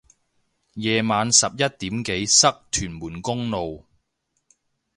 夜晚十一點幾塞屯門公路